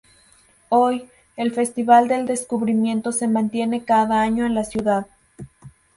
Hoy, el festival del descubrimiento se mantiene cada año en la ciudad.